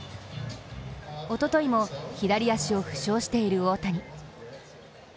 おとといも左足を負傷している大谷。